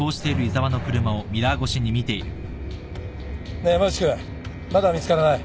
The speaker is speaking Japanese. ねえ山内君まだ見つからない？